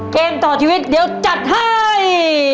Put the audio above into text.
เกมต่อชีวิตเดี๋ยวจัดให้